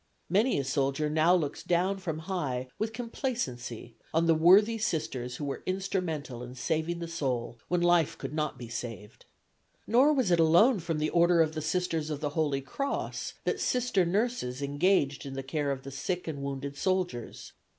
Many a soldier now looks down from on high with complacency on the worthy Sisters who were instrumental in saving the soul when life could not be saved. Nor was it alone from the Order of the Sisters of the Holy Cross that Sister nurses engaged in the care of the sick and wounded soldiers.